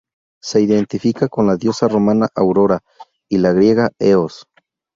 Se identifica con la diosa romana Aurora y la griega Eos.